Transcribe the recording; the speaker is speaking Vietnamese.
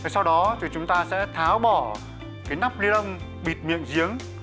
sau đó thì chúng ta sẽ tháo bỏ cái nắp ly lông bịt miệng giếng